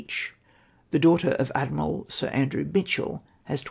each, the daugliter of Admiral 8ir Andrew Mitchell has 25